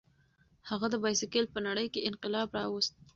هغه د بایسکل په نړۍ کې انقلاب راوست.